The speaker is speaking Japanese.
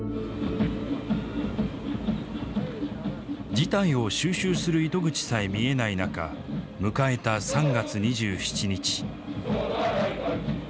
事態を収拾する糸口さえ見えない中迎えた３月２７日。